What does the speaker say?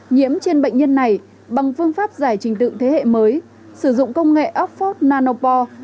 nhiễm trên bệnh nhân này bằng phương pháp giải trình tự thế hệ mới sử dụng công nghệ oxford nanopor